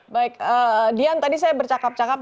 baik dian tadi saya bercakap cakap